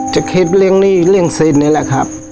จะคิดเลี่ยงหนี้เลี่ยงศิลป์นี่แหละครับ